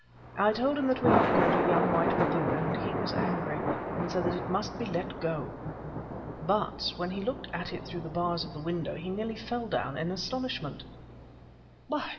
I told him that we had caught a young white baboon, and he was angry, and said that it must be let go. But when he looked at it through the bars of the window he nearly fell down with astonishment. "'Why!